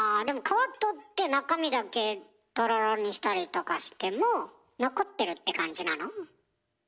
でも皮取って中身だけとろろにしたりとかしても残ってるって感じなの？